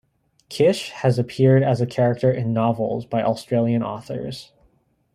Kisch has appeared as a character in novels by Australian authors.